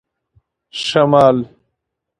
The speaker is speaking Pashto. شمال